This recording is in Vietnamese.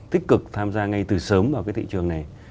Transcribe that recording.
tích cực tham gia ngay từ sớm vào cái thị trường này